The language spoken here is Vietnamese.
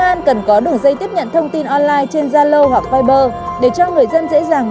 a truyền hình công an